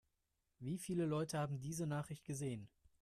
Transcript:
Wie viele Leute haben diese Nachricht gesehen?